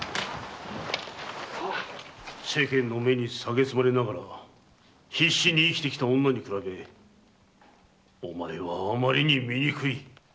世間の目にさげすまれながらも必死に生きて来た女に較べお前はあまりに醜い。